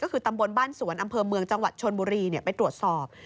ก็คือตำบลบ้านสวนอำเภอเมืองจังหวัดชนบุรีไปตรวจสอบ